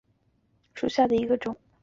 川滇鼠李为鼠李科鼠李属下的一个种。